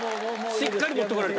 しっかり持ってこられた。